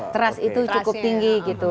trust itu cukup tinggi gitu